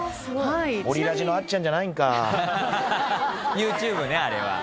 ＹｏｕＴｕｂｅねあれは。